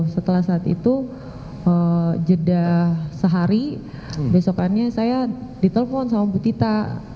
setelah saat itu jeda sehari besokannya saya ditelepon sama bu tita